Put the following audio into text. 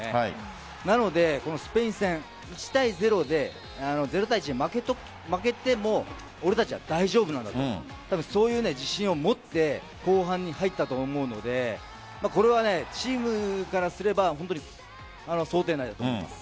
なので、このスペイン戦０対１で負けていても俺たちは大丈夫なんだとそういう自信を持って後半に入ったと思うのでこれはチームからすれば本当に想定内だと思います。